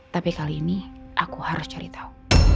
tapi kali ini aku harus cari tahu